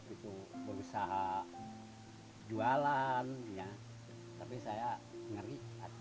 istri saya begitu berusaha jualan ya tapi saya ngeri